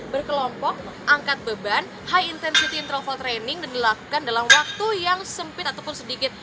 berkelompok angkat beban high intensity interval training dan dilakukan dalam waktu yang sempit ataupun sedikit